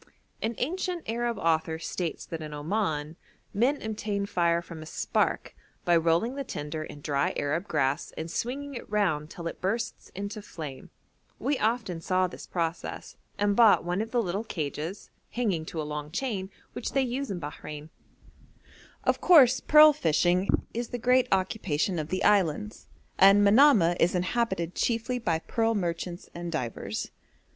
An ancient Arab author states that in Oman 'men obtain fire from a spark, by rolling the tinder in dry Arab grass and swinging it round till it bursts into flame.' We often saw this process and bought one of the little cages, hanging to a long chain, which they use in Bahrein. Of course pearl fishing is the great occupation of the islands, and Manamah is inhabited chiefly by pearl merchants and divers.